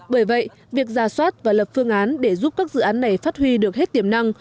bởi vậy việc ra soát và lập phương án để giúp các dự án này phát huy được hết tiềm năng